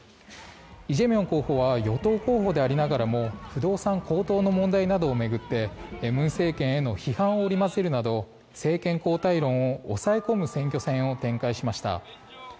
イ・ジェミョン候補は与党候補でありながらも不動産高騰の問題などを巡って文政権への批判を織り交ぜるなど政権交代論を抑え込む選挙戦を展開しました。